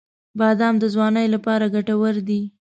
• بادام د ځوانۍ لپاره ګټور دی.